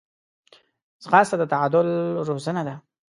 ځغاسته د تعادل روزنه ده